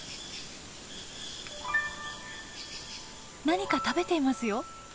何か食べていますよ。